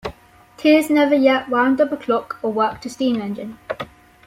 Tears never yet wound up a clock, or worked a steam engine.